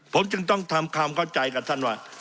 ผมจึงต้องทำความเข้าใจกับท่านว่า